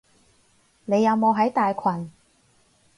你有冇喺大群？